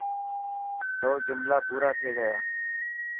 سو جملا پورا ٿي گيا.